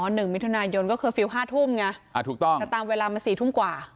หนึ่งมิถุนายนก็เคอร์ฟิลล์ห้าทุ่มไงอ่าถูกต้องแต่ตามเวลามาสี่ทุ่มกว่า